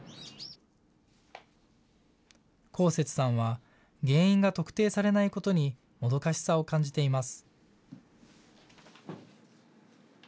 幸節さんは、原因が特定されないことにもどかしさを感じています。